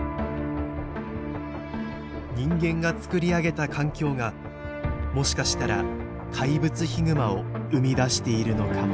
人間が作り上げた環境がもしかしたら怪物ヒグマを生み出しているのかもしれない。